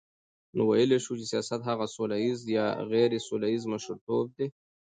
نو ویلای سو چی سیاست هغه سوله ییز یا غیري سوله ییز مشرتوب دی،